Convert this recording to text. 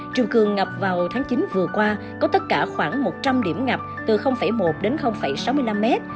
triều cường ngập vào tháng chín vừa qua có tất cả khoảng một trăm linh điểm ngập từ một đến sáu mươi năm mét